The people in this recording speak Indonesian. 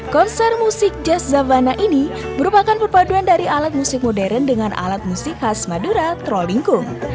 konser musik jazz zabana ini merupakan perpaduan dari alat musik modern dengan alat musik khas madura trollingco